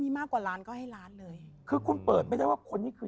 มากกว่าล้านก็ให้ล้านเลยคือคุณเปิดไม่ได้ว่าคนนี้คือ